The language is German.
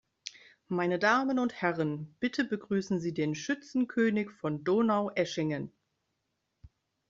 Meine Damen und Herren, bitte begrüßen Sie den Schützenkönig von Donaueschingen!